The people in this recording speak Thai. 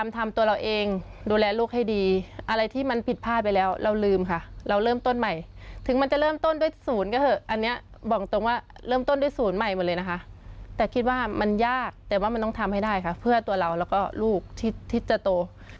ที่มันผิดพลาดไปแล้วเราลืมค่ะเราเริ่มต้นใหม่ถึงมันจะเริ่มต้นด้วยศูนย์ก็เถอะอันเนี้ยบอกตรงว่าเริ่มต้นด้วยศูนย์ใหม่หมดเลยนะคะแต่คิดว่ามันยากแต่ว่ามันต้องทำให้ได้ค่ะเพื่อตัวเราแล้วก็ลูกที่จะโต